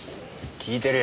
聞いてるよ。